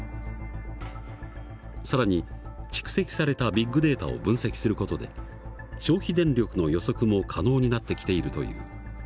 更に蓄積されたビッグデータを分析する事で消費電力の予測も可能になってきているという。